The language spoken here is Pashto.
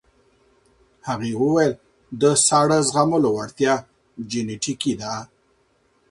هغې وویل د ساړه زغملو وړتیا جینیټیکي ده.